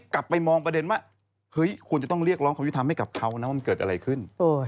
ความประเด็นว่าคุณจะต้องเรียกร้องคำยุทธรรมให้กับเขานะวันเกิดอะไรขึ้น